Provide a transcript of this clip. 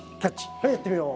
はいやってみよう。